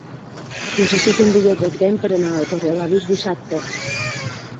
Necessito un bitllet de tren per anar a Torrelavit dissabte.